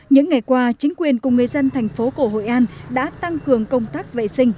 những ngày qua chính quyền cùng người dân thành phố cổ hội an đã tăng cường công tác vệ sinh